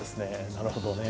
なるほどね。